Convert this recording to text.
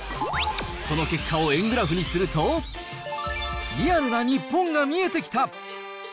その結果を円グラフにすると、リアルな日本が見えてきた。